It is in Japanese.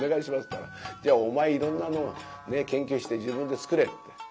ったら「じゃあお前いろんなのを研究して自分で作れって。